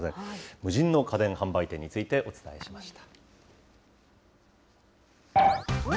無人の販売店についてお伝えしました。